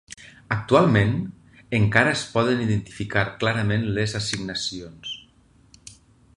Actualment, encara es poden identificar clarament les assignacions.